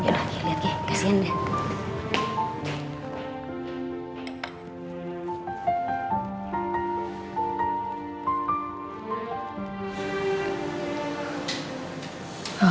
iya liat kasihan dia